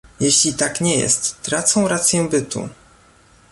Jeśli tak nie jest, tracą rację bytu